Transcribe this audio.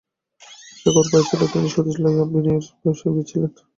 সে খবর পাইয়াছিল তিনি সতীশকে লইয়া বিনয়ের বাসায় গিয়াছিলেন।